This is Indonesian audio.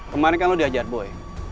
kemarin kan lo diajar boy